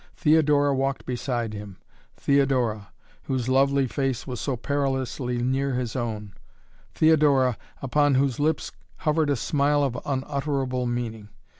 Theodora walked beside him, Theodora, whose lovely face was so perilously near his own, Theodora, upon whose lips hovered a smile of unutterable meaning.